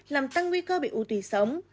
làm tăng nguy cơ bị u tùy sống